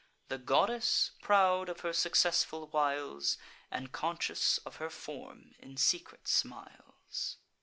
The goddess, proud of her successful wiles, And conscious of her form, in secret smiles.